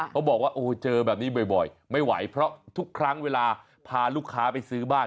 เขาบอกว่าโอ้เจอแบบนี้บ่อยไม่ไหวเพราะทุกครั้งเวลาพาลูกค้าไปซื้อบ้าน